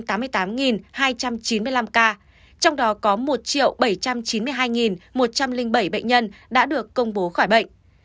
trong đó có một bảy trăm chín mươi hai một trăm linh bảy bệnh nhân đã được công bố khỏi bệnh